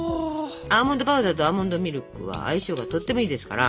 アーモンドパウダーとアーモンドミルクは相性がとってもいいですから。